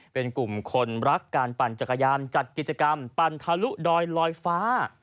เป็นกลุ่มคนรักการปั่นจักรยานจัดกิจกรรมปั่นทะลุดอยลอยฟ้า